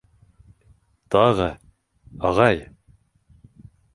Тағы... ағай!